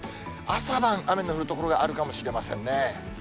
朝晩、雨の降る所があるかもしれませんね。